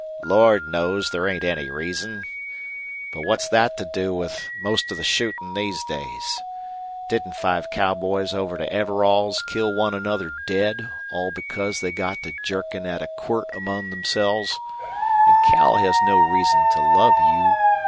"Lord knows there ain't any reason. But what's that to do with most of the shootin' these days? Didn't five cowboys over to Everall's kill one another dead all because they got to jerkin' at a quirt among themselves? An' Cal has no reason to love you.